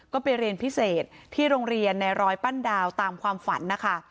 ก็ไปเรียนพิเศษที่โรงเรียนในร้อยปั้นดาวตามความฝันนะคะ